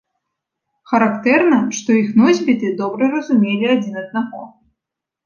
Характэрна, што іх носьбіты добра разумелі адзін аднаго.